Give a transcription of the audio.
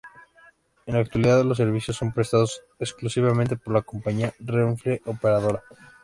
En la actualidad, los servicios son prestados exclusivamente por la compañía Renfe Operadora.